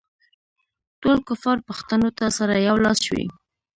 ټول کفار پښتنو ته سره یو لاس شوي.